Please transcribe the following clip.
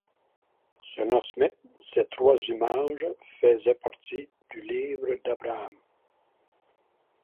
Selon Smith, ces trois images faisaient partie du Livre d'Abraham.